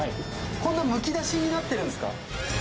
こんなむき出しになってるんですか？